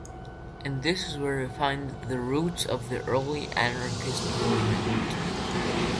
And this is where we find the roots of the early anarchist movement...